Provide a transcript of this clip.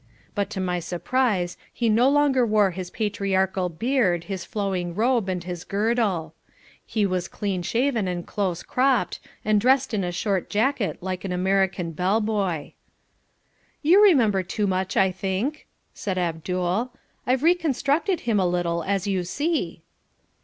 But to my surprise he no longer wore his patriarchal beard, his flowing robe and his girdle. He was clean shaven and close cropped and dressed in a short jacket like an American bell boy. "You remember Toomuch, I think," said Abdul. "I've reconstructed him a little, as you see."